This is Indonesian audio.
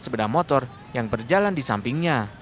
sepeda motor yang berjalan di sampingnya